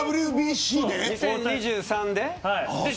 ２０２３で。